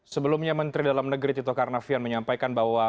sebelumnya menteri dalam negeri tito karnavian menyampaikan bahwa